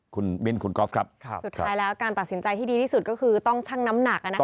สุดท้ายแล้วการตัดสินใจที่ดีที่สุดก็คือต้องชั่งน้ำหนัก